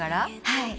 はい。